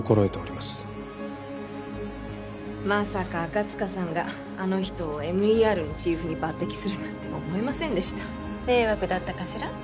まさか赤塚さんがあの人をＭＥＲのチーフに抜擢するなんて思いませんでした迷惑だったかしら？